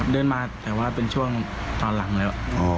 เดินมาแต่ว่าเป็นช่วงตอนหลังแล้ว